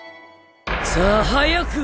さあ早く！